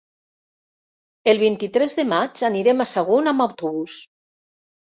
El vint-i-tres de maig anirem a Sagunt amb autobús.